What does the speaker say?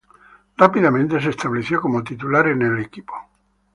Rápidamente, se estableció como titular en el equipo.